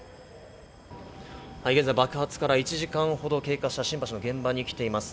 現在、爆発から１時間ほど経過した新橋の現場に来ています。